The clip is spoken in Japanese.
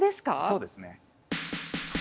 そうですね。